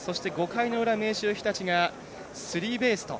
５回の裏、明秀日立がスリーベースと。